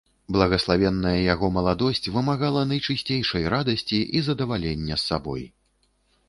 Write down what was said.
Благаславенная яго маладосць вымагала найчысцейшай радасці і задавалення сабой.